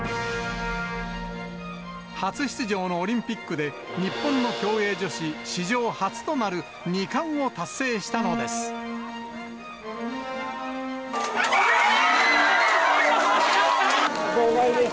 初出場のオリンピックで、日本の競泳女子史上初となる２冠を達成したのです。